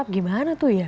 gimana tuh ya